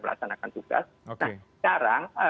melaksanakan tugas nah sekarang